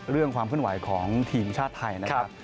ความขึ้นไหวของทีมชาติไทยนะครับ